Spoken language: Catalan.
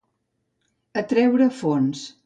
A treure fons.